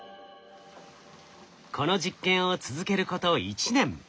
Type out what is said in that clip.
この実験を続けること１年。